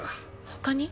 他に？